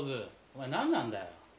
お前何なんだよ。